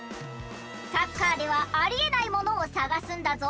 サッカーではありえないものをさがすんだぞ。